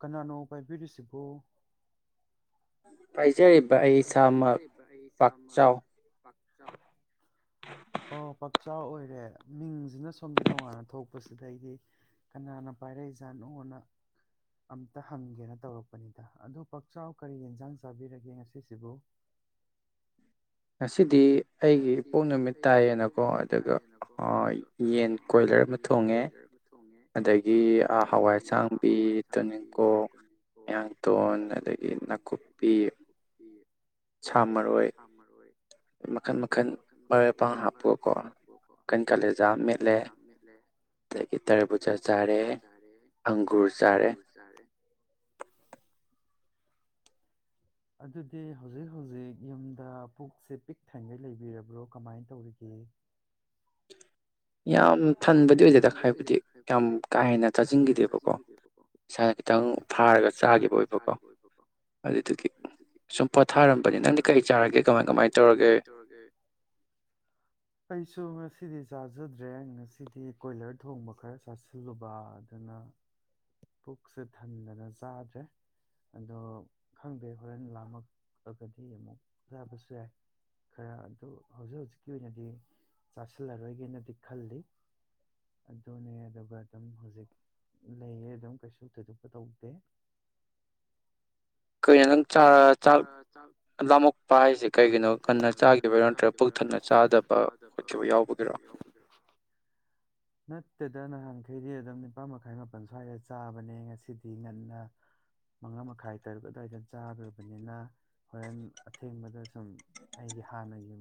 ꯀꯅꯥꯅꯣ ꯄꯥꯏꯕꯤꯔꯤ ꯄꯤꯕꯣ ꯄꯥꯏꯖꯔꯤ ꯕ ꯑꯩ ꯏꯁꯥꯃꯛ ꯄꯥꯛꯆꯥꯎ ꯆꯥꯎ ꯑꯣ ꯄꯥꯛ ꯄꯥꯛꯆꯥꯎ ꯑꯣꯏꯔꯦ ꯃꯤꯡꯁꯤꯅ ꯁꯣꯝꯗ ꯇꯣꯡꯉꯥꯟꯅ ꯊꯣꯛꯄꯁꯤꯗ ꯑꯩꯗꯤ ꯀꯅꯥꯅ ꯄꯥꯏꯔꯛꯏꯖꯥꯠꯅꯣꯅ ꯑꯝꯇ ꯍꯪꯒꯦꯅ ꯇꯧꯔꯛꯄꯅꯤꯗ ꯑꯗꯨꯣ ꯄꯥꯛꯆꯥꯎ ꯀꯔꯤ ꯌꯦꯟꯁꯥꯡ ꯆꯥꯕꯤꯔꯒꯦ ꯉꯁꯤꯁꯤꯕꯨ ꯑꯁꯤꯗꯤ ꯉꯁꯤꯗꯤ ꯑꯩꯒꯤ ꯏꯄꫭꯛ ꯅꯨꯃꯤꯠ ꯇꯥꯏꯌꯦꯅꯀꯣ ꯑꯗꯨꯒ ꯌꯦꯟ ꯀꯣꯏꯂꯔ ꯑꯃ ꯊꯣꯡꯉꯦ ꯑꯗꯒꯤ ꯍꯋꯥꯏ ꯑꯁꯥꯡꯕꯤ ꯇꯣꯅꯤꯡꯀꯣꯛ ꯌꯥꯌꯥꯡꯇꯣꯟ ꯑꯗꯒꯤ ꯅꯥꯀꯨꯞꯄꯤ ꯁꯥꯃꯔꯣꯏ ꯃꯈꯜ ꯃ ꯃꯈꯟ ꯃꯈꯜ ꯃꯔꯣꯏ ꯄꯥꯡ ꯍꯥꯞꯄꯨꯀꯣ ꯃꯈꯟ ꯈꯜꯂꯦꯖꯥ ꯃꯦꯠꯂꯦ ꯑꯗꯒꯤ ꯇꯔꯕꯨꯆꯥꯥ ꯆꯥꯔꯦ ꯑꯪꯒꯨꯔ ꯆꯥꯔꯦ ꯑꯗꯨꯗꯤ ꯍꯧꯖꯤꯛ ꯍꯧꯖꯤꯛ ꯌꯨꯝꯗ ꯄꯨꯛꯁꯦ ꯄꯤꯛ ꯊꯪꯉꯩ ꯂꯩꯕꯤꯔꯕ꯭ꯔꯣ ꯀꯃꯥꯏꯅ ꯇꯧꯔꯤꯒꯦ ꯌꯥꯝ ꯊꯟꯕꯗꯤ ꯑꯣꯏꯖꯦꯗ ꯍꯥꯏꯕꯗꯤ ꯌꯥꯝ ꯀꯥ ꯍꯦꯟꯅ ꯆꯥꯁꯤꯟꯈꯤꯗꯦꯕꯀꯣ ꯏꯁꯥ ꯈꯤꯇꯪ ꯊꯥꯔꯒ ꯆꯥꯈꯤꯕ ꯑꯣꯏꯕꯀꯣ ꯑꯗꯨꯒꯤ ꯆꯨꯝ ꯄꯣꯊꯥꯔꯝꯕꯅꯤ ꯅꯪꯗꯤ ꯀꯔꯤ ꯆꯥꯔꯒꯦ ꯀꯃꯥꯏ ꯀꯃꯥꯏ ꯇꯧꯔꯒꯦ ꯑꯩꯁꯨ ꯁꯤꯗꯤ ꯆꯥꯖꯗ꯭ꯔꯦꯪ ꯑꯁꯤꯗꯤ ꯀꯣꯏꯂꯔ ꯊꯣꯡꯕ ꯈꯔ ꯆꯥꯁꯤꯜꯂꯨꯕ ꯑꯗꯨꯅ ꯄꯨꯛꯁ ꯊꯟꯗꯅ ꯆꯥꯗ꯭ꯔꯦ ꯑꯗꯣ ꯈꯪꯗꯦ ꯍꯣꯔꯦꯟ ꯂꯥꯝꯃꯛꯑꯒꯗꯤ ꯑꯃꯨꯛ ꯆꯥꯕꯁꯨ ꯌꯥꯏ ꯈꯔ ꯑꯗꯨ ꯍꯧꯖꯤꯛ ꯍꯧꯖꯤꯛꯀꯤ ꯑꯣꯏꯅꯗꯤ ꯆꯥꯁꯤꯜꯂꯔꯣꯏꯒꯦꯅꯗꯤ ꯈꯜꯂꯤ ꯑꯗꯨꯅꯦ ꯑꯗꯨꯒ ꯑꯗꯨꯝ ꯍꯧꯖꯤꯛ ꯂꯩꯌꯦ ꯑꯗꯨꯝ ꯀꯩꯁꯨ ꯊꯣꯏꯗꯣꯛꯄ ꯇꯧꯗꯦ ꯀꯣ ꯅ ꯂꯥꯝꯛꯄ ꯍꯥꯏꯁꯦ ꯀꯩꯒꯤꯅꯣ ꯀꯟꯅ ꯆꯥ ꯅꯠꯇ꯭ꯔꯥꯕ ꯅꯠꯇꯗ ꯅꯍꯥꯟ ꯌꯥꯡꯈꯩꯗꯤ ꯑꯗꯨꯝ ꯅꯤꯄꯥꯥꯟ ꯃꯈꯥꯏ ꯃꯥꯄꯜ ꯁ꯭ꯋꯥꯏꯗ ꯆꯥꯕꯅꯦ ꯉꯁꯤꯗꯤ ꯉꯟꯅ ꯃꯉꯥ ꯃꯈꯥꯏ ꯇꯔꯨꯛ ꯑꯗꯨꯋꯥꯏꯗ ꯆꯥꯈ꯭ꯔꯕꯅꯤꯅ ꯍꯣꯔꯦꯟ ꯑꯊꯦꯡꯕꯗ ꯁꯨꯝ ꯑꯩꯒꯤ ꯍꯥꯟꯅꯒꯤ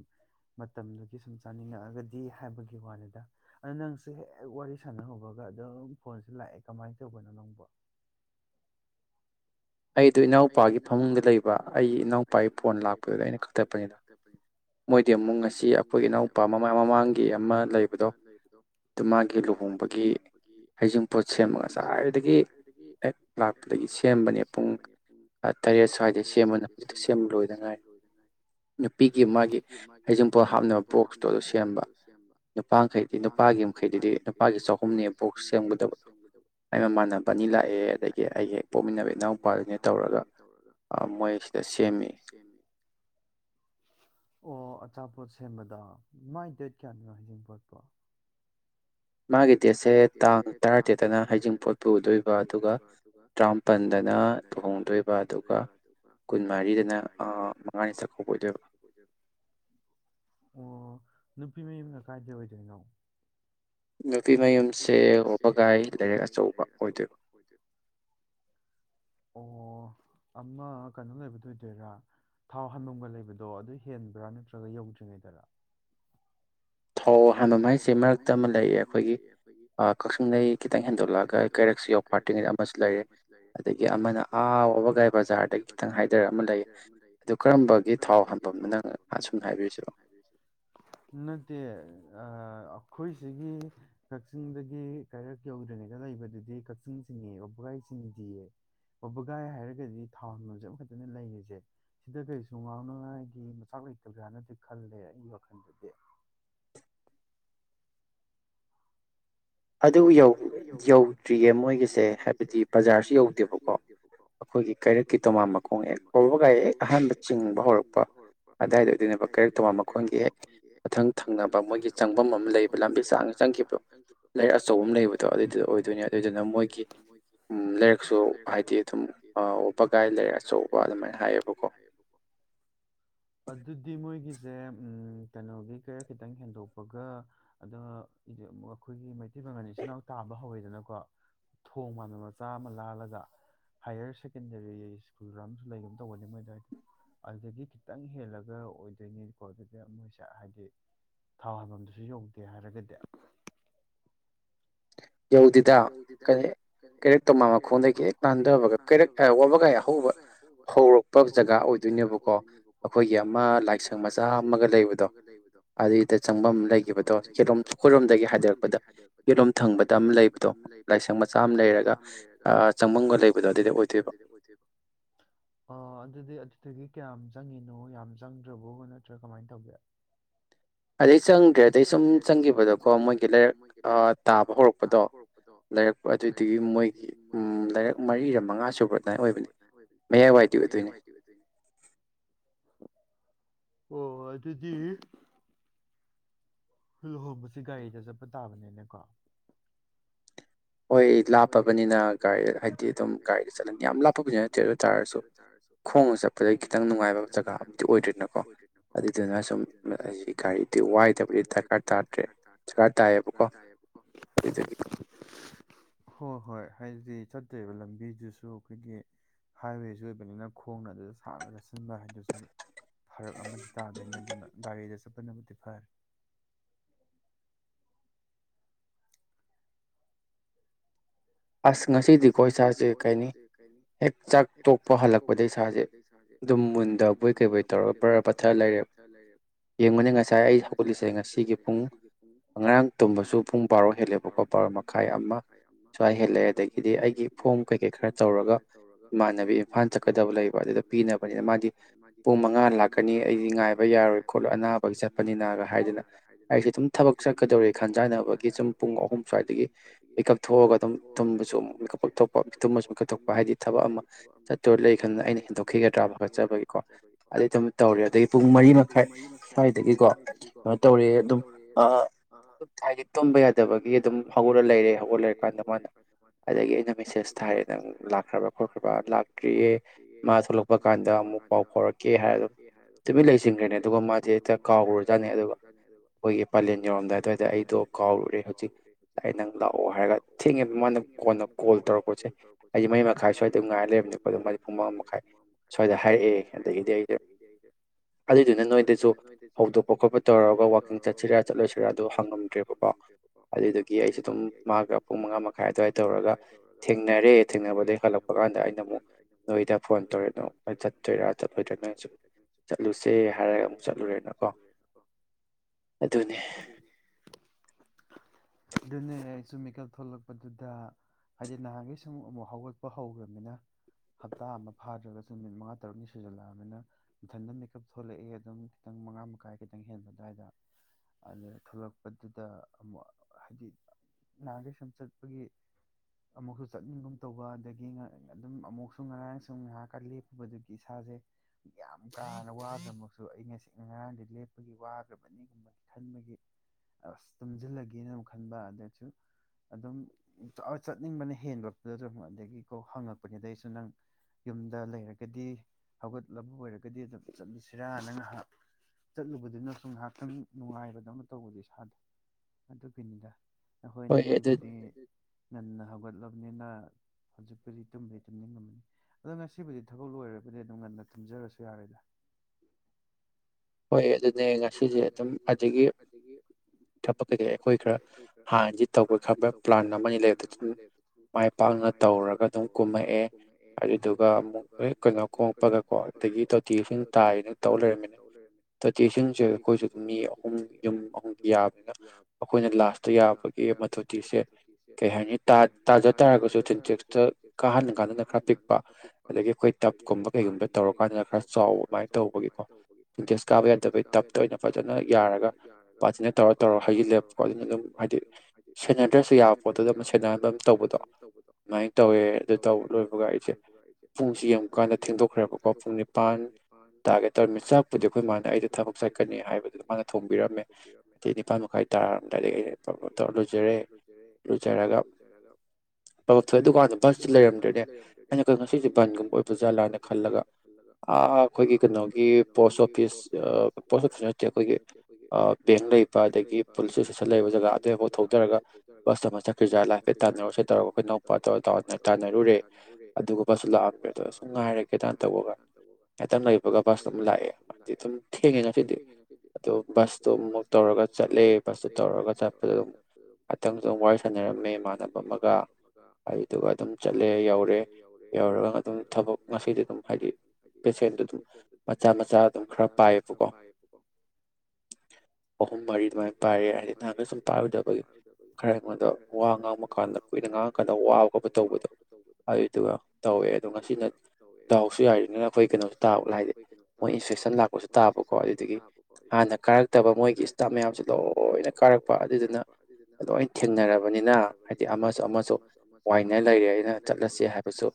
ꯃꯇꯝꯗꯨꯒꯤ ꯁꯨꯝ ꯆꯥꯅꯤꯡꯉꯛꯑꯒꯗꯤ ꯍꯥꯏꯕꯒꯤ ꯋꯥꯅꯤꯦꯗ ꯑꯗꯨꯗ ꯅꯪꯁꯦ ꯍꯦꯛ ꯋꯥꯔꯤ ꯁꯥꯟꯅꯍꯧꯕꯒ ꯑꯗꯨꯝ ꯐꯣꯟꯁꯦ ꯂꯥꯛꯑꯦ ꯀꯃꯥꯏꯅ ꯇꯧꯕꯅꯣ ꯅꯪꯕꯨ ꯑꯩꯗꯣ ꯏꯅꯥꯎꯄꯥꯒꯤ ꯐꯃꯨꯡꯗ ꯂꯩꯕ ꯑꯩꯒꯤ ꯏꯅꯥꯎꯄꯥꯒꯤ ꯐꯣꯟ ꯂꯥꯛꯄꯗꯨꯗ ꯑꯩꯅ ꯀꯛꯇꯠꯄꯅꯤꯗ ꯃꯣꯏꯗꯤ ꯑꯃꯨꯛ ꯉꯁꯤ ꯑꯩꯈꯣꯏꯒꯤ ꯏꯅꯥꯎꯄꯥ ꯃꯃꯥ ꯃꯃꯥꯡꯒꯤ ꯑꯃ ꯂꯩꯕꯗꯣ ꯑꯗꯨ ꯃꯥꯒꯤ ꯂꯨꯍꯣꯡꯕꯒꯤ ꯍꯩꯖꯤꯡꯄꯣꯠ ꯁꯦꯝꯕ ꯉꯁꯥꯏꯏꯗꯒꯤ ꯍꯦꯛ ꯂꯥꯛꯄꯗꯒꯤ ꯁꯦꯝꯕꯅꯦꯕ ꯇꯔꯦꯠ ꯁ꯭ꯋꯥꯏꯗꯩ ꯁꯦꯝꯕꯅ ꯍꯧꯖꯤꯛꯇ ꯁꯦꯝꯕ ꯂꯣꯏꯗꯉꯥꯏ ꯅꯨꯄꯤꯒꯤ ꯃꯥꯒꯤ ꯍꯩꯖꯝꯄꯣꯠ ꯍꯥꯞꯅꯕ ꯕꯣꯛꯁꯇꯣ ꯑꯗꯨ ꯁꯦꯝꯕ ꯅꯨꯄꯥ ꯃꯈꯩꯗꯤ ꯅꯨꯄꯥꯒꯤ ꯃꯈꯩꯗꯨꯗꯤ ꯅꯨꯄꯥꯒꯤ ꯆꯍꯨꯝꯅꯦ ꯕꯣꯛꯁ ꯁꯦꯝꯒꯗꯕꯗꯣ ꯑꯩ ꯃꯃꯥꯟꯅꯕ ꯑꯅꯤ ꯂꯥꯛꯑꯦ ꯑꯗꯒꯤ ꯑꯩꯒꯤ ꯄꯣꯛꯃꯤꯟꯅꯕꯤ ꯏꯅꯥꯎ ꯄꯥ ꯇꯧ ꯇꯧꯔꯒ ꯁꯦꯝꯃꯤ ꯑꯣ ꯑꯆꯥꯄꯣꯠ ꯁꯦꯝꯕꯗ ꯃꯥꯏ ꯗꯦꯠ ꯀꯌꯥꯅꯣ ꯍꯩꯖꯤꯡꯄꯣꯠꯄ ꯃꯥꯒꯤ ꯗꯦꯠꯁꯦ ꯇꯥꯡ ꯇꯔꯥꯇꯔꯦꯠꯇꯅ ꯍꯩꯖꯤꯡꯄꯣꯠ ꯄꯨꯨꯗꯣꯏꯕ ꯑꯗꯨꯒ ꯇꯔꯥꯃꯥꯄꯜꯗꯅ ꯊꯨꯍꯣꯡꯗꯣꯏꯕ ꯑꯗꯨꯒ ꯀꯨꯟꯃꯔꯤꯗꯅ ꯃꯗꯣꯏ ꯑꯣ ꯅꯨꯄꯤ ꯃꯅ ꯀꯥꯏꯗ ꯑꯣꯏꯗꯔꯤꯉꯣ ꯅꯨꯄꯤ ꯃꯌꯨꯝꯁꯦ ꯎꯕꯒꯥꯏ ꯂꯥꯏꯛ ꯑꯆꯧꯕ ꯑꯣꯏꯗꯣꯏ ꯑꯣ ꯑꯃ ꯀꯩꯅꯣ ꯂꯩꯕꯗꯣꯏꯗꯣꯏꯔꯥ ꯊꯥꯎ ꯍꯟꯝꯒ ꯂꯩꯕꯗꯣ ꯑꯗꯨ ꯍꯦꯟꯕ꯭ꯔꯥ ꯅꯠꯇ꯭ꯔꯒ ꯌꯧꯗ꯭ꯔꯤꯉꯩꯗꯔꯥ ꯊꯥꯎ ꯍꯟꯐꯝ ꯍꯥꯏꯁꯦ ꯃꯔꯛꯇ ꯑꯃ ꯂꯩꯌꯦ ꯑꯩꯈꯣꯏꯒꯤ ꯀꯛꯆꯤꯡꯗꯒꯤ ꯈꯤꯇꯪ ꯍꯦꯟꯗꯣꯛꯂꯛꯑꯒ ꯀꯩꯔꯛꯁꯨ ꯌꯐꯥꯔ ꯇꯅꯦꯠ ꯑꯃꯁꯨ ꯂꯩꯔꯦ ꯑꯗꯒꯤ ꯑꯃꯅ ꯑꯕ ꯒꯥꯏ ꯕꯖꯥꯔꯗꯒꯤ ꯈꯤꯇꯪ ꯍꯥꯏꯖꯔ ꯑꯃ ꯂꯩ ꯑꯗꯨ ꯀꯔꯝꯕꯒꯤ ꯊꯥꯎ ꯍꯐꯝꯅ ꯑꯁꯨꯝ ꯍꯥꯏꯔꯤꯁꯤ ꯅꯠꯇꯦ ꯑꯩꯈꯣꯏꯁꯤꯒꯤ ꯀꯛꯆꯤꯡꯗꯒꯤ ꯀꯩꯔꯛ ꯌꯧꯗ꯭ꯔꯤꯉꯩꯗ ꯂꯩꯕꯗꯨꯗꯤ ꯀꯛꯆꯤꯡ ꯆꯤꯡꯏ ꯋꯥꯕꯒꯥꯏ ꯆꯤꯡꯗꯤꯌꯦ ꯋꯥꯕꯕꯒꯥꯏ ꯍꯥꯏꯔꯒꯗꯤ ꯊꯥꯎꯁꯦ ꯑꯃꯈꯛꯇꯅ ꯂꯩꯔꯤꯁꯦ ꯁꯤꯗ ꯀꯩꯁꯨ ꯉꯥꯎꯅꯉꯥꯏꯒꯤ ꯃꯆꯥꯛ ꯂꯩꯇꯕ꯭ꯔꯥꯅꯗꯤ ꯈꯜꯂꯦ ꯑꯩꯒꯤ ꯋꯥꯈꯜꯗꯗꯤ ꯑꯗꯨ ꯌꯧꯗ꯭ꯔꯤꯌꯦ ꯃꯣꯏꯒꯤꯁꯦ ꯍꯥꯏꯕꯗꯤ ꯕꯖꯥꯔꯁꯨ ꯌꯧꯗꯦꯕꯀꯣ ꯑꯩꯈꯣꯏꯒꯤ ꯀꯩꯔꯛꯀꯤ ꯇꯣꯉꯥꯟ ꯃꯈꯣꯡꯅꯦ ꯀꯧꯕ ꯒꯥꯥꯏ ꯑꯩ ꯑꯍꯥꯟꯕ ꯆꯤꯡꯕ ꯍꯧꯔꯛꯄ ꯑꯗꯨꯋꯥꯏꯗ ꯑꯣꯏꯗꯣꯏꯅꯦꯕ ꯀꯩꯔꯛ ꯇꯣꯉꯥꯟ ꯃꯈꯣꯡꯗꯤ ꯑꯩ ꯃꯊꯪ ꯊꯪꯅꯕ ꯃꯣꯏꯒꯤ ꯆꯪꯐꯝ ꯑꯃ ꯂꯩꯕ ꯂꯝꯕꯤ ꯆꯥꯡꯅ ꯆꯪꯈꯤꯕ ꯂꯥꯏꯔꯤꯛ ꯑꯆꯧꯕ ꯑꯃ ꯂꯩꯕꯗꯣ ꯑꯗꯨ ꯑꯣꯏꯗꯣꯏꯅꯦ ꯑꯗꯨꯗꯨꯣꯏꯒꯤ ꯂꯥꯏꯔꯤꯛꯁꯨ ꯍꯥꯏꯗꯤ ꯑꯗꯨꯝ ꯂꯥꯏꯛ ꯑꯆꯧꯕ ꯑꯗꯨꯃꯅ ꯍꯥꯏꯌꯦꯕ ꯑꯗꯨ ꯑꯩꯈꯣꯏꯒꯤꯁꯦ ꯀꯩꯅꯣꯒꯤ ꯀꯌꯥ ꯈꯤꯇꯪ ꯍꯦꯟꯗꯣꯛꯄꯒ ꯑꯗꯣ ꯑꯩꯈꯣꯏꯒꯤ ꯐꯤ ꯃꯉꯅꯤ ꯏꯤꯟꯅꯥꯎ ꯇꯕ ꯍꯧꯋꯦ ꯑꯗꯨꯅꯀꯣ ꯊꯣꯡ ꯃꯥꯟꯕ ꯃꯆꯥ ꯑꯃ ꯂꯥꯜꯂꯒ ꯍꯥꯏꯌꯔ ꯁꯦꯀꯦꯟꯗꯔꯤ ꯁ꯭ꯀꯨꯜ ꯑꯃꯁꯨ ꯂꯩꯒ ꯇꯧꯕꯅꯤ ꯃꯣꯏꯗ ꯍꯥꯏ ꯑꯗꯨꯗꯒꯤ ꯈꯤꯇꯪ ꯍꯦꯜꯂꯒ ꯑꯣꯏꯗꯣꯏꯅꯤꯀꯣ ꯑꯗꯨꯗ ꯃꯣꯏꯁꯦ ꯍꯥꯏꯗꯤ ꯊꯥꯎ ꯍꯟꯐꯝꯗꯨꯁꯨ ꯌꯧꯗꯦ ꯍꯥꯏꯔꯒꯗꯤ [inaudible] ꯌꯧꯗꯦꯗ ꯀ ꯀꯩꯔꯛ ꯇꯣꯃ ꯃꯈꯣꯡꯗꯒꯤ ꯍꯦꯛ ꯅꯥꯟꯊꯕꯒ ꯀꯩꯔꯛ ꯋꯥꯕꯒꯥꯏ ꯑꯍꯧꯕ ꯍꯧꯔꯛꯄ ꯖꯒꯥ ꯑꯣꯏꯗꯣꯏꯅꯦꯕꯀꯣ ꯑꯩꯈꯣꯏꯒꯤ ꯑꯃ ꯂꯥꯏꯁꯪ ꯃꯆꯥ ꯑꯃꯒ ꯂꯩꯕꯗꯣ ꯑꯗꯨꯏꯗ ꯆꯪꯐꯝ ꯂꯩꯈꯤꯕꯗꯣꯣꯝ ꯑꯩꯈꯣꯏꯔꯣꯝꯗꯒꯤ ꯍꯥꯏꯗꯔꯛꯄꯗ ꯌꯦꯠꯂꯣꯝ ꯊꯪꯕꯗ ꯑꯃ ꯂꯩꯕ ꯂꯩꯕꯗꯣ ꯂꯥꯏꯁꯪ ꯃꯆꯥ ꯑꯃ ꯂꯩꯔꯒ ꯆꯪꯃꯝꯒ ꯂꯩꯕꯗꯣ ꯑꯗꯨꯗꯤ ꯑꯣꯏꯗꯣꯏꯀ ꯑꯗꯨꯗꯤ ꯑꯗꯒꯤ ꯀꯌꯥꯝ ꯆꯪꯉꯤꯅꯣ ꯌꯥꯝ ꯆꯪꯗ꯭ꯔꯕ ꯅꯠꯇ꯭ꯔꯥ ꯀꯃꯥꯏꯅ ꯇꯧꯒꯦ ꯑꯗꯩ ꯆꯪꯗ꯭ꯔꯦ ꯑꯗꯩ ꯁꯨꯝ ꯆꯪꯈꯤꯕꯗꯣꯀꯣ ꯃꯣꯏꯒꯤ ꯂꯩꯥꯏꯔꯛ ꯇꯥꯕ ꯍꯧꯔꯛꯄꯗꯣ ꯗꯣ ꯂꯩꯔꯛ ꯑꯗꯨꯗꯤ ꯃꯣꯏ ꯎ ꯂꯥꯏꯔꯛ ꯃꯔꯤꯒ ꯃꯉꯥ ꯁꯨꯕ꯭ꯔꯥ ꯑꯗꯨꯥꯏ ꯑꯣꯏꯗꯣꯏꯅꯤ ꯃꯌꯥꯏꯋꯥꯏꯗꯤ ꯑꯣꯏꯗꯣꯏꯅꯦ ꯑꯣ ꯑꯗꯨꯗꯤꯗꯤ ꯍ ꯂꯨꯍꯣ ꯁꯤ ꯒꯥꯔꯤꯗ ꯆꯠꯄ ꯇꯥꯕꯅꯤꯅꯦꯀꯣ ꯍꯣꯏ ꯂꯥꯞꯄꯕꯅꯤꯅ ꯒꯥꯔꯤ ꯍꯥꯏꯗꯤ ꯑꯗꯨꯝ ꯒꯥꯔꯤꯗ ꯆꯠꯂꯒ ꯌꯥꯝ ꯂꯥꯞꯄꯗꯤ ꯅꯠꯇꯦ ꯑꯗꯨ ꯇꯥꯔꯁꯨ ꯈꯣꯡ ꯆꯠꯄꯗ ꯈꯤꯇꯪ ꯅꯨꯡꯉꯥꯏꯕ ꯖꯒꯥꯗꯤ ꯑꯣꯏꯗ꯭ꯔꯦꯅꯀꯣ ꯑꯗꯨꯗꯨꯅ ꯁꯨꯝ ꯍꯥꯏꯗꯤ ꯒꯥꯔꯤꯗꯤ ꯋꯥꯏꯗꯕꯗꯤ ꯗꯔꯀꯥꯔ ꯇꯥꯗ꯭ꯔꯦ ꯗꯔꯀꯥꯔ ꯇꯥꯏꯌꯦꯕꯀꯣ ꯍꯣꯏ ꯍꯣꯏ ꯍꯥꯏꯗꯤ ꯆꯠꯇꯔꯤꯕ ꯂꯝꯕꯤꯗꯨꯁꯨ ꯑꯩꯈꯣꯏꯒꯤ ꯍꯥꯏꯋꯦꯁꯨ ꯑꯣꯏꯕꯅꯤꯅ ꯈꯣꯡꯅ ꯑꯗꯨꯗ ꯁꯥꯡꯅ ꯆꯠ ꯑꯁꯤꯟꯕ ꯍꯥꯏꯗꯨꯁꯨ ꯐꯔꯛ ꯑꯃꯗꯤ ꯇꯥꯗꯣꯏꯅꯤ ꯑꯗꯨꯅ ꯒꯥꯔꯤꯗ ꯐꯔ ꯑꯁ ꯉꯁꯤꯗꯤꯀꯣ ꯁꯥꯔꯥꯁꯦ ꯀꯩꯅꯤ ꯍꯦꯛ ꯆꯥꯛ ꯇꯣꯛꯄ ꯍꯜꯂꯛꯄꯗꯒꯤꯩ ꯁꯥꯔꯁꯦ ꯑꯗꯨꯝ ꯃꯨꯟꯗ ꯑꯩꯈꯣꯏ ꯀꯩꯕꯩ ꯇꯧꯔꯒ ꯄꯠꯊ ꯂꯩꯔꯦ ꯌꯦꯡꯕꯅꯤ ꯉꯁꯥꯏ ꯑꯩ ꯍꯧꯒꯠꯂꯤꯁꯦ ꯉꯁꯤꯒꯤ ꯄꯨꯡ ꯉꯔꯥꯡ ꯇꯨꯝꯕꯁꯨ ꯄꯨꯡ ꯕꯥꯔꯣ ꯍꯦꯜꯂꯦꯕꯀ ꯕꯥꯔ ꯃꯈꯥꯏ ꯑꯃ ꯍꯂꯦ ꯑꯗꯒꯤꯗꯤ ꯑꯩꯒꯤ ꯐꯣꯝ ꯀꯩꯀꯩ ꯈꯔ ꯇꯧꯔꯒ ꯏꯃꯥꯟꯅꯕꯤ ꯏꯝꯐꯥꯜ ꯆꯠꯀꯗꯕ ꯂꯩꯕ ꯑꯗꯨꯗ ꯄꯤꯅꯕꯅꯤꯅ ꯃꯥꯗꯤ ꯄꯨꯡ ꯃꯉꯥ ꯂꯥꯛꯀꯅꯤ ꯑꯩꯗꯤ ꯉꯥꯏꯕ ꯌꯥꯔꯣꯏ ꯈꯣꯠꯂꯣꯏ ꯑꯅꯥꯕꯒꯤ ꯆꯠꯄꯅꯤꯅꯒ ꯍꯥꯏꯗꯅ ꯑꯩꯁꯦ ꯑꯗꯨꯝ ꯊꯕꯛ ꯆꯠꯀꯗꯧꯔꯦ ꯈꯟꯖꯥꯟꯅꯕꯒꯤ ꯁꯨꯝ ꯄꯨꯡ ꯑꯍꯨꯝ ꯁ꯭ꯋꯥꯏꯗꯒꯤ ꯄꯤꯛꯀꯞ ꯊꯣꯛꯑꯒ ꯇꯨꯝ ꯁꯨꯈ ꯄ ꯊꯣꯛꯣꯛꯄ ꯇꯨꯝꯕꯁꯨ ꯃꯦꯀꯠꯊ ꯊꯣꯛꯄ ꯍꯥꯏꯗꯤ ꯊꯕꯛ ꯑꯃ ꯆꯠꯇꯨꯔ ꯂꯩ ꯈꯟꯅ ꯑꯩꯅ ꯍꯦꯟꯗꯣꯛꯈꯤꯒꯗ꯭ꯔꯥ ꯐꯒꯠꯆꯕꯒꯤꯀꯣ ꯑꯗꯨꯗꯩꯗ ꯑꯃꯨꯛ ꯇꯧꯔꯦ ꯑꯗꯒꯤ ꯄꯨꯡ ꯃꯔꯤ ꯃꯈꯥꯏ ꯁ꯭ꯋꯥꯏꯗꯒꯤꯀꯣ ꯀꯩꯅꯣ ꯇꯧꯔꯦ ꯑꯗꯨꯝ ꯍꯥꯏꯗꯤ ꯇꯨꯝꯕ ꯌꯥꯗꯕꯒꯤ ꯑꯗꯨꯝ ꯍꯧꯒꯠꯂ ꯂꯩꯔꯦ ꯍꯧꯒꯠꯂ ꯂꯩꯔ ꯅꯕꯥꯟꯅꯤ [unintelligible] ꯑꯗꯒꯤ ꯑꯩꯅ ꯃꯦꯁꯦꯁ ꯊꯥꯏ ꯅꯪ ꯂꯥꯛꯈ꯭ꯔꯕ ꯈꯣꯠꯈ꯭ꯔꯕ ꯂꯥꯛꯇ꯭ꯔꯤꯌꯦ ꯃꯥ ꯊꯣꯛꯂꯛꯄ ꯀꯥꯟꯗ ꯑꯃꯨꯛ ꯄꯥꯎ ꯐꯥꯎꯔꯛꯀꯦ ꯍꯥꯏꯔꯒ ꯇꯨꯃꯤꯟ ꯂꯩꯁꯤꯟꯈ꯭ꯔꯦꯅꯦ ꯑꯗꯨꯒ ꯃꯥꯖꯦ ꯍꯦꯛꯇ ꯀꯥꯎꯔꯨꯔꯖꯥꯠꯅꯦ ꯑꯗꯨ ꯑꯩꯈꯣꯏꯒꯤ ꯄꯂꯦꯟ ꯌꯧꯔꯝꯗꯥꯏ ꯑꯗ꯭ꯋꯥꯏꯗ ꯑꯩꯗꯣ ꯀꯥꯎꯔꯨꯔꯦ ꯍꯧꯖꯤꯛ ꯑꯩ ꯅꯪ ꯂꯥꯛꯑꯣ ꯍꯥꯏꯔ ꯊꯦꯡꯉꯦꯕ ꯃꯥꯅ ꯀꯣꯟꯅ ꯀꯣꯜ ꯇꯧꯔꯛꯄꯁꯦ ꯍꯥꯏꯗꯤ ꯃꯔꯤ ꯃꯈꯥꯏ ꯁ꯭ꯋꯥꯏꯗ ꯉꯥꯏꯔ ꯂꯩꯕꯅꯤ ꯑꯩꯈꯣꯏ ꯑꯗꯨꯝ ꯃꯔꯤ ꯄꯨꯡ ꯃꯉꯥ ꯃꯈꯥꯏ ꯁ꯭ꯋꯥꯏꯗ ꯍꯥꯏꯔꯛꯑꯦ ꯑꯗꯒꯤꯗꯤ ꯑꯩꯁꯦ ꯑꯗꯨꯏꯗꯨꯅ ꯅꯣꯏꯗꯁꯨ ꯍꯧꯗꯣꯛꯄ ꯈꯣꯠꯄ ꯇꯧꯔꯒ ꯋꯥꯀꯤꯡ ꯆꯠꯁꯤꯔꯥ ꯆꯠꯂꯣꯏꯁꯤꯔꯥ ꯑꯗꯨ ꯍꯪꯉꯝꯗ꯭ꯔꯦꯕꯀꯣ ꯑꯗꯨꯏꯗꯨꯒꯤ ꯑꯩꯁꯨ ꯗꯨꯝ ꯃꯉꯥ ꯃꯈꯥꯢ ꯄꯨꯡ ꯃꯉꯥ ꯃꯈꯥꯏ ꯑꯗꯨꯋꯥꯏ ꯇꯧꯔꯒ ꯊꯦꯡꯅꯔꯦ ꯊꯦꯡꯅꯕꯗꯩ ꯍꯠꯂꯛꯄ ꯀꯥꯟꯗ ꯑꯩꯅ ꯑꯃꯨꯛ ꯅꯣꯏꯗ ꯐꯣꯟ ꯇꯧꯔꯤꯗꯣ ꯅꯣꯏ ꯆꯠꯇꯣꯏꯔꯥ ꯆꯠꯄꯗ ꯅꯣꯏꯁꯨ ꯆꯠꯂꯨꯁꯦ ꯍꯥꯏꯔꯒ ꯑꯃꯨꯛ ꯆꯠꯂꯨꯔꯦꯅꯀꯣ ꯑꯗꯨꯅꯤ ꯑꯗꯨꯅꯦ ꯑꯩꯁꯨ ꯃꯤꯀꯞ ꯊꯣꯛꯂꯛ ꯄꯗꯨꯗ ꯍꯥꯏꯗꯤ ꯅꯍꯥꯟꯈꯩ ꯁꯨꯝ ꯑꯃꯨꯛ ꯍꯧꯒꯠꯄ ꯍꯧꯈ꯭ꯔꯅꯤꯅ ꯍꯞꯇꯥ ꯑꯃ ꯐꯥꯗ꯭ꯔꯒꯁꯨ ꯅꯨꯃꯤꯠ ꯃꯉꯥ ꯇꯔꯨꯛꯅꯤ ꯁꯨꯖꯜꯂꯛꯑꯕꯅꯤꯅ ꯃꯊꯟꯗ ꯃꯤꯀꯥꯞ ꯊꯣꯛꯂꯛꯑꯦ ꯑꯗꯨꯝ ꯈꯤꯇꯪ ꯃꯉꯥ ꯃꯈꯥꯏ ꯈꯤꯇꯪ ꯍꯦꯟꯕ ꯑꯗꯨꯋꯥꯏꯗ ꯑꯗꯨꯗ ꯊꯣꯛꯂꯛꯄꯗꯨꯗ ꯑꯃꯨꯛ ꯍꯥꯏꯗꯤ ꯅꯍꯥꯟꯈꯩ ꯁꯨꯝ ꯑꯩꯈꯣꯏꯒꯤ ꯑꯃꯨꯛꯁꯨ ꯆꯠꯅꯤꯡꯒꯨꯝ ꯇꯧꯕ ꯑꯗꯒꯤ ꯑꯗꯨꯝ ꯑꯃꯨꯛꯁꯨ ꯉꯔꯥꯡ ꯁꯨꯝ ꯉꯥꯏꯍꯥꯛꯀ ꯂꯦꯞꯄꯨꯕꯗꯨꯒꯤ ꯏꯁꯥꯁꯦ ꯌꯥꯝ ꯀꯥꯍꯦꯟꯅ ꯋꯥꯗꯃꯛꯁꯨ ꯑꯩ ꯉꯁꯤ ꯉꯔꯥꯡꯗꯤ ꯂꯦꯞꯄꯒꯤ ꯋꯥꯗ꯭ꯔꯕꯅꯤ ꯒꯨꯝꯕ ꯈꯟꯕꯒꯤ ꯑꯁ ꯇꯨꯝꯁꯤꯜꯂꯒꯦꯅ ꯑꯃꯨꯛ ꯈꯟꯕ ꯑꯗꯁꯨ ꯑꯗꯨꯝ ꯆꯥꯎꯔ ꯆꯠꯅꯤꯡꯕꯅ ꯍꯦꯟꯒꯠꯄꯗ ꯑꯗꯨꯝ ꯑꯗꯒꯤꯀꯣ ꯍꯪꯉꯛꯄꯅꯤꯗ ꯑꯩꯁꯨ ꯅꯪ ꯌꯨꯝꯗ ꯂꯩꯔꯒꯗꯤ ꯍꯧꯒꯠꯂꯕ ꯑꯣꯏꯔꯒꯗꯤ ꯑꯗꯨꯝ ꯆꯠꯂꯨꯁꯤꯔꯥꯅ ꯉꯥꯏꯍꯥꯛ ꯆꯠꯂꯨꯕꯗꯨꯅꯁꯨ ꯉꯥꯏꯍꯥꯛꯇꯪ ꯅꯨꯡꯉꯥꯏꯕꯗꯧꯅ ꯇꯧꯕꯗꯣ ꯏꯁꯥꯗ ꯑꯗꯨꯒꯤꯅꯤꯗ ꯑꯩꯈꯣꯢ ꯅꯪꯒꯤ ꯕꯨ ꯉꯟꯅ ꯍꯧꯒꯠꯂꯕꯅꯤꯅ ꯍꯧꯖꯤꯛꯄꯨꯗꯤ ꯇꯨꯝꯕꯗꯤ ꯇꯨꯝꯅꯤꯡꯉꯝꯃꯅꯤ ꯑꯗꯣ ꯉꯁꯤꯕꯨꯗꯤ ꯊꯕꯛ ꯂꯣꯏꯔꯕꯗꯤ ꯑꯗꯨꯝ ꯉꯟꯅ ꯇꯨꯝꯖꯔꯁꯨ ꯌꯥꯔꯦꯗ ꯍꯣꯏ ꯑꯗꯨꯅꯦ ꯉꯁꯤꯁꯦ ꯑꯗꯨꯝ ꯑꯗꯒꯤ ꯊꯕꯛ ꯀꯩꯗꯧꯏ ꯑꯩꯈꯣꯏ ꯈꯔ ꯍꯥꯟꯅꯗꯤ ꯇꯧꯕ ꯈꯟꯕ ꯄ꯭ꯂꯥꯟ ꯑꯃꯅꯤ ꯂꯩ [unintelligible] ꯃꯥꯏ ꯄꯥꯛꯅ ꯇꯧꯔꯒ ꯑꯗꯨꯝ ꯀꯨꯝꯃꯛꯑꯦ ꯑꯗꯨꯗꯨꯒ ꯑꯃꯨꯛ [unintelligible] ꯀꯩꯅꯣ ꯀꯣꯃꯛꯄꯒꯀꯣ ꯑꯗꯒꯤ ꯇꯣꯇꯤ ꯏꯁꯤꯡ ꯇꯥꯏꯅ ꯇꯧ ꯂꯩꯔꯝꯃꯤꯅꯦ ꯇꯣꯇꯤ ꯏꯁꯤꯡꯁꯦ ꯑꯩꯈꯣꯏꯁꯨ ꯃꯤ ꯑꯍꯨꯝ ꯌꯨꯝ ꯑꯍꯨꯝꯒꯤ ꯌꯥꯕꯅꯤꯅ ꯑꯩꯈꯣꯏꯅ ꯂꯥꯁꯇ ꯌꯥꯕꯒꯤ ꯑꯃ ꯇꯣꯇꯤꯁꯦ ꯀꯩ ꯍꯥꯏꯅꯤ ꯇꯥ ꯇꯥꯖ ꯇꯥꯔꯒꯁꯨ ꯊꯤꯟꯇꯦꯛꯁꯇ ꯀꯥꯍꯟ ꯀꯥꯟꯗꯅ ꯈꯔ ꯄꯤꯛꯄ ꯑꯗꯒꯤ ꯑꯩꯈꯣꯏ ꯇꯞ ꯀꯨꯝꯕ ꯀꯩꯒꯨꯝꯕꯗ ꯇꯧꯔꯀꯥꯟꯗꯅ ꯈꯔ ꯆꯥꯎꯕ ꯑꯗꯨꯃꯥꯏ ꯇꯧꯕꯒꯤꯀꯣ ꯁꯤꯟꯇꯦꯛꯁ ꯀꯥꯕ ꯌꯥꯗꯕꯩ ꯇꯞꯇ ꯑꯣꯏꯅ ꯐꯖꯅ ꯌꯥꯔꯒ ꯕꯥꯇꯤꯟꯗ ꯇꯧꯔ ꯇꯧꯔ ꯍꯩꯖꯤꯜꯂꯦꯕꯀꯣ ꯑꯗꯨꯅ ꯑꯗꯨꯝ ꯍꯥꯏꯗꯤ ꯁꯦꯟꯅꯗ꯭ꯔꯦꯁꯨ ꯌꯥꯕ ꯄꯣꯠꯇꯨꯗ ꯑꯃ ꯁꯦꯟꯅꯍꯟꯕ ꯑꯃ ꯇꯧꯕꯗꯣ ꯑꯃꯥꯏꯅ ꯇꯧꯋꯦ ꯑꯗꯨ ꯇꯧ ꯂꯣꯏꯕꯒ ꯑꯩꯁꯦ ꯄꯨꯡꯁꯦ ꯌꯦꯡꯕ ꯀꯥꯟꯗ ꯊꯦꯡꯗꯣꯛꯈ꯭ꯔꯦꯕꯀꯣ ꯄꯨꯡ ꯅꯤꯄꯥꯟ ꯇꯥꯔꯒꯦ ꯇꯧꯔꯝꯃꯦ [unintelligible] ꯗꯤ ꯑꯩꯈꯣꯏ ꯃꯥꯅ ꯑꯩꯁꯦ ꯊꯕꯛ ꯆꯠꯀꯅꯤ ꯍꯥꯏꯕꯗꯨꯗ ꯃꯥꯅ ꯊꯣꯡꯕꯤꯔꯝꯃꯦ ꯑꯗꯨ ꯅꯤꯄꯥꯜ ꯃꯈꯥꯏ ꯇꯥꯔꯝꯗꯥꯏꯗꯤ ꯑꯩꯩꯅ ꯇꯞꯅ ꯇꯧꯔ ꯂꯨꯖꯔꯦ ꯂꯨꯖꯔꯒ ꯄꯕꯠ ꯊꯣꯛꯑꯦ ꯑꯗꯨꯀꯥꯟꯗ ꯕꯟꯁꯤ ꯂꯩꯔꯝꯗ꯭ꯔꯦꯅꯦ ꯑꯩꯅ ꯀꯩꯅꯣ ꯉꯁꯤꯁꯦ ꯕꯟꯒꯨꯝꯕ ꯑꯣꯏꯕ ꯖꯥꯠꯂꯥꯅ ꯈꯜꯂꯒ ꯑ ꯑꯩꯈꯣꯏꯒꯤ ꯀꯩꯅꯣꯒꯤ ꯁꯣ [unintelligible] ꯄꯣꯁ ꯑꯣꯐꯤꯁ ꯑ ꯄꯣꯁ ꯑꯣꯐꯤꯁ ꯅꯠꯇꯦ ꯑꯩꯈꯣꯏꯒꯤ ꯑ ꯕꯦꯡ ꯂꯩꯕ ꯑꯗꯒꯤ ꯄꯨꯂꯤꯁ ꯏꯁꯇꯦꯁꯟ ꯂꯩꯔꯤꯕ ꯖꯒꯥ ꯑꯗꯩ ꯑꯃꯨꯛ ꯊꯧꯗꯔꯒ ꯕꯁꯇꯒ ꯆꯠꯈ꯭ꯔ ꯖꯥꯠꯂ ꯍꯥꯏꯐꯦꯠ ꯇꯥꯟꯅꯔꯨꯁꯤ ꯇꯧꯔꯒ ꯈꯣꯏ ꯏꯅꯥꯎꯄꯥ ꯇꯧꯔ ꯇꯧꯔ ꯇꯥꯟꯅꯔꯨꯔꯦ ꯑꯗꯨꯒ ꯕꯁꯁꯨ ꯂꯥꯛꯑꯝꯗ꯭ꯔꯦ ꯑꯗꯣ ꯁꯨꯝꯉꯥꯏꯔꯒꯦꯅ ꯇꯧꯕꯒ ꯉꯥꯏꯇꯪ ꯂꯩ ꯂꯥꯛꯑꯦ ꯗꯤ ꯑꯗꯨꯝ ꯊꯦꯡꯉꯦ ꯉꯁꯤꯗꯤ ꯑꯗꯣ ꯕꯁꯇꯣ ꯑꯃꯨꯛ ꯇꯧꯔꯒ ꯆꯠꯂꯦ ꯕꯁꯇꯨ ꯇꯧꯔꯒ ꯆꯠꯄꯗ ꯑꯃꯨꯛ ꯉꯥꯇꯪꯁꯨꯝ ꯋꯥꯔꯤ ꯁꯥꯟꯅꯔꯝꯃꯦ ꯏꯃꯥꯟꯅꯕ ꯑꯃꯒ ꯑꯗꯨꯏꯗꯨꯒ ꯑꯗꯨꯝ ꯆꯠꯂꯦ ꯌꯧꯔꯦ ꯌꯧꯔꯒ ꯑꯗꯨꯝ ꯊꯕꯛ ꯉꯁꯤꯗꯤ ꯑꯗꯨꯝ ꯍꯥꯏꯗꯤ ꯄꯦꯁꯦꯟꯗ ꯑꯗꯨꯝ ꯆꯥꯃ ꯆꯥ ꯑꯗꯨꯝ ꯈꯔ ꯄꯥꯏꯌꯦꯕꯀꯣ ꯑꯍꯨꯝ ꯃꯔꯤ ꯑꯗꯨꯃꯥꯏꯅ ꯄꯥꯏꯔꯦ ꯍꯥꯏꯗꯤ ꯅꯍꯥꯟꯒꯩ ꯁꯨꯝ ꯄꯥꯏꯔꯨꯗꯕꯒꯤ ꯈꯔ ꯑꯩꯉꯣꯟꯗ ꯋꯥ ꯉꯥꯡꯕ ꯀꯥꯟꯗ ꯀꯨꯏꯅ ꯉꯥꯡꯉꯛ ꯀꯥꯟꯗ ꯋꯥꯕ ꯈꯣꯠꯄ ꯇꯧꯕꯗꯣ ꯑꯗꯨꯏꯗꯨꯒ ꯇꯧꯑꯦ ꯑꯗꯣ ꯉꯁꯤꯅ ꯗꯥꯎꯁꯨ ꯌꯥꯔꯤꯅꯤꯅ ꯑꯩꯈꯣꯏ ꯀꯩꯅꯣꯁꯨ ꯇꯥꯕꯗ ꯍꯥꯏꯗꯤ ꯃꯣꯏ ꯏꯟꯐꯦꯛꯁꯟ ꯂꯥꯛꯄꯁꯨ ꯇꯥꯕꯀꯣ ꯑꯗꯨꯗꯒꯤ ꯍꯥꯟꯅ ꯀꯥꯔꯛꯇꯕ ꯃꯣꯏꯒꯤ ꯏꯁꯇꯥꯞ ꯃꯌꯥꯝꯁꯨ ꯂꯣꯏꯅ ꯀꯥꯔꯛꯄ ꯑꯗꯨꯗꯨꯅ ꯂꯣꯏ ꯊꯦꯡꯅꯔꯕꯅꯤꯅ ꯍꯥꯏꯗꯤ ꯑꯃꯁꯨ ꯑꯃꯁꯨ ꯋꯥꯏꯅ ꯂꯩꯔꯦ ꯑꯩꯅ ꯆꯠꯂꯁꯦ ꯍꯥꯏꯕꯁꯨ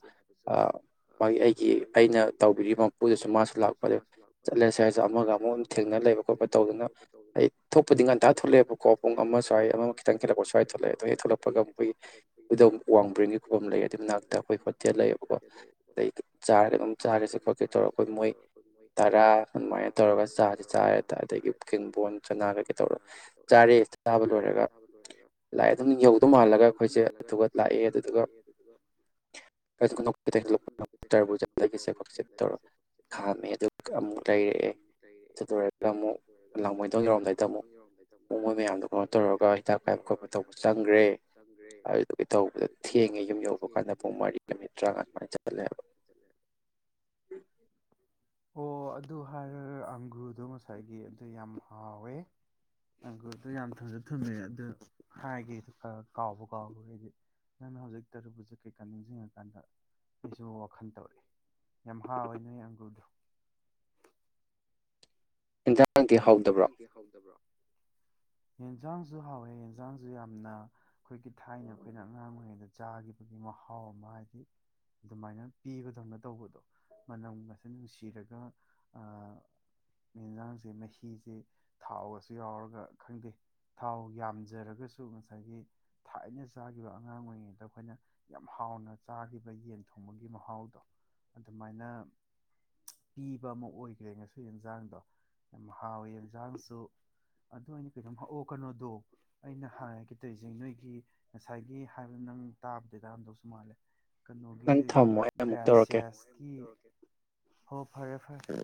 ꯃꯥꯒꯤ ꯑꯩꯒꯤ ꯑꯩꯅ ꯇꯧꯕꯤꯔꯤꯕ ꯃꯄꯨꯗꯨꯁꯨ ꯃꯥꯁꯨ ꯂꯥꯛꯄꯗ ꯆꯠꯂꯦ ꯁ꯭ꯋꯥꯔꯁꯤꯁꯨ ꯑꯃꯒ ꯑꯃꯨꯛ ꯑꯃꯝ ꯊꯦꯡꯅ ꯂꯩꯕ ꯈꯣꯠꯄ ꯇꯧꯗꯅ ꯑꯩ ꯊꯣꯛꯄꯗꯤ ꯉꯟꯇꯥ ꯊꯣꯛꯂꯛꯑꯦꯕꯀꯣ ꯄꯨꯡ ꯑꯃ ꯁ꯭ꯋꯥꯏꯗ ꯑꯃ ꯈꯤꯇꯪ ꯈꯦꯜꯠꯂꯛꯄ ꯁ꯭ꯋꯥꯏꯗ ꯊꯣꯛꯂꯛꯑꯦ ꯑꯗꯨ ꯑꯩ ꯊꯣꯛꯂꯛꯄꯒꯈꯣꯏ ꯎꯗꯧ ꯋꯥꯡꯕꯔꯤꯡꯒꯤ ꯈꯨꯕꯝ ꯂꯩ ꯑꯗꯨꯏ ꯃꯅꯥꯛꯇ ꯑꯩꯈꯣꯏ ꯍꯣꯇꯦꯜ ꯂꯩꯌꯦꯕꯀꯣ ꯑꯗꯩ ꯆꯥꯔꯒ ꯑꯗꯨꯝ ꯆꯥꯔꯦꯁꯦ ꯈꯣꯠꯀꯦ ꯇꯧꯔꯒ ꯑꯩꯈꯣꯏ ꯃꯣꯏ ꯇꯔꯥ ꯑꯗꯨꯃꯥꯏꯅ ꯇꯧꯔꯒ ꯆꯥꯁꯦ ꯆꯥꯔꯦ ꯑꯗꯒꯤ ꯄꯨꯀꯤꯡ ꯕꯣꯟ ꯆꯅꯥꯒ ꯀꯩ ꯇꯧꯔ ꯆꯥꯔꯦ ꯆꯥꯕ ꯂꯣꯏꯔꯒ ꯂꯥꯛꯑꯦ ꯑꯗꯨꯝ ꯌꯧꯗꯧ ꯃꯥꯜꯂꯒ ꯑꯩꯈꯣꯏꯁꯦ ꯑꯗꯨꯒ ꯂꯥꯛꯑꯦ ꯑꯗꯨꯗꯨꯒ ꯈꯣꯠ ꯇꯧꯔ ꯈꯥꯝꯃꯦ ꯑꯗꯨ ꯑꯃꯨꯛ ꯂꯩꯔꯛꯑꯦ ꯑꯗꯨ ꯂꯔꯒ ꯑꯃꯨꯛ ꯂꯥꯡꯃꯣꯏꯗꯣꯡ ꯌꯧꯔꯝꯗꯥꯏꯩꯗ ꯑꯃꯨꯛ ꯃꯣꯏ ꯃꯌꯥꯝꯗꯣ ꯀꯩꯅꯣ ꯇꯧꯔꯒ ꯍꯤꯗꯥꯛ ꯀꯥꯏꯕ ꯈꯣꯠꯄ ꯇꯧꯕ ꯆꯪꯈ꯭ꯔꯦ ꯑꯗꯨꯗꯨꯒꯤ ꯇꯧꯕꯗ ꯊꯦꯡꯉꯦ ꯌꯨꯝ ꯌꯧꯕ ꯀꯥꯟꯗ ꯄꯨꯡ ꯃꯔꯤꯒ ꯃꯤꯠ ꯇꯔꯥꯉꯥ ꯁꯨꯃꯥꯏꯅ ꯆꯠꯂꯦꯕ ꯑꯣ ꯑꯗꯨ ꯍꯥꯏꯔꯒ ꯑꯪꯒ꯭ꯔꯨꯗꯣ ꯉꯁꯥꯏꯒꯤ ꯑꯗꯨ ꯌꯥꯝ ꯍꯥꯎꯋꯦ ꯑꯪꯒ꯭ꯔꯨꯗꯣ ꯌꯥꯝ ꯊꯖ ꯊꯨꯝꯃꯦꯑꯦ ꯑꯗꯨꯗ ꯍꯥꯏꯒꯦꯗ ꯈ ꯀꯥꯎꯕ ꯀꯥꯎꯕꯗꯤ ꯅꯪꯅ ꯍꯧꯖꯤꯛ ꯇꯔꯨꯕꯁꯦ ꯀꯩꯀꯥ ꯅꯤꯡꯁꯤꯡꯉꯀꯥꯟꯗ ꯑꯩꯁꯨ ꯋꯥꯈꯜ ꯇꯧꯔꯛꯑꯦ ꯌꯥꯝ ꯍꯥꯎꯋꯦ ꯑꯩ ꯑꯪꯒꯗ ꯏ ꯍꯟꯊꯥꯡꯗꯤꯤ ꯍꯧꯗꯕ꯭ꯔꯣ ꯌꯦꯟꯁꯥꯡꯁꯨ ꯍꯥꯎꯋꯦ ꯑꯦꯟꯁꯥꯡꯁꯨ ꯌꯥꯝꯅ ꯑꯩꯈꯣꯏꯒꯤ ꯊꯥꯏꯅ ꯑꯩꯈꯣꯏꯅ ꯑꯉꯥꯡ ꯑꯣꯏꯔꯤꯉꯩꯗ ꯆꯥꯈꯤꯕꯒꯤ ꯃꯍꯥꯎ ꯑꯃ ꯍꯥꯏꯗꯤ ꯑꯗꯨꯃꯥꯏꯅ ꯄꯤꯕꯗꯧꯅ ꯇꯧꯕꯗꯣ ꯃꯅꯝ ꯉꯁ ꯅꯨꯡꯁꯤꯔꯒ ꯌꯦꯟꯁꯥꯡꯁꯦ ꯃꯍꯤ ꯐꯤꯁꯦ ꯊꯥꯎꯒꯁꯨ ꯌꯥꯎꯔꯒ ꯈꯪꯗꯦ ꯊꯥꯎ ꯌꯥꯝꯖꯔꯒꯁꯨ ꯉꯁꯥꯏꯒꯤ ꯊꯥꯏꯅ ꯆꯥꯈꯤꯕ ꯑꯉꯥꯡ ꯑꯣꯏꯔꯤꯉꯩꯗ ꯑꯩꯈꯣꯏꯅ ꯌꯥꯝ ꯍꯥꯎꯅ ꯆꯥꯈꯤꯕ ꯌꯦꯟ ꯊꯣꯡꯕꯒꯤ ꯃꯍꯥꯎꯗꯣ ꯑꯗꯨꯃꯥꯏꯅ ꯄꯤꯕ ꯑꯃ ꯑꯣꯏꯈ꯭ꯔꯦ ꯉꯁꯨ ꯌꯦꯟꯁꯥꯡꯗꯣ ꯍꯥꯎꯋꯦ ꯑꯣꯟꯖꯥꯡꯁꯨ ꯑꯗꯨ ꯑꯩꯅ ꯀꯩꯝ ꯍꯥꯎꯑꯣ ꯀꯩꯅꯣꯗꯣ ꯑꯩꯅ ꯍꯥꯏꯒꯦ ꯇꯧꯔꯤꯁꯦ ꯅꯣꯏꯒꯤ ꯉꯁꯥꯏꯒꯤ ꯍꯥꯏꯕ ꯅꯪ ꯇꯥꯕꯗ ꯇꯥꯔꯝꯗꯧꯁꯨ ꯃꯥꯜꯂꯦ ꯀꯩꯅꯣꯒꯤ ꯒ꯭ꯔꯦꯁꯤꯌꯥꯁꯀꯤ ꯍ ꯐꯔꯦ ꯐꯔꯦ